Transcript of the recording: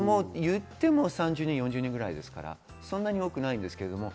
言っても３０４０人ぐらいですから、そんなに多くないですけど。